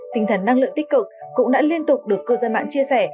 tinh thần năng lượng tích cực cũng đã liên tục được cư dân mạng chia sẻ